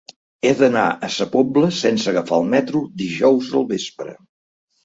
He d'anar a Sa Pobla sense agafar el metro dijous al vespre.